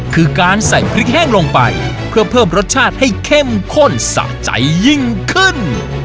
คือการใส่พริกแห้งลงไปเพื่อเพิ่มรสชาติให้เข้มข้นสะใจยิ่งขึ้น